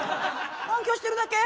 反響してるだけ？